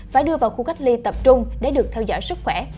phải đưa vào khu cách ly tập trung để được theo dõi sức khỏe